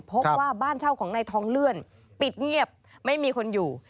พบว่าบ้านเช่าของนายทองเลื่อนปิดเงียบไม่มีคนอยู่